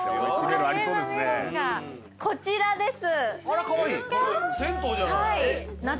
こちらです。